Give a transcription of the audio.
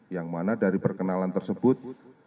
yang mana dari perkenalan tersebut